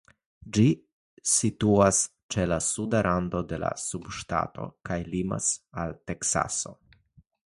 Ĝi situas ĉe la suda rando de la subŝtato kaj limas al Teksaso.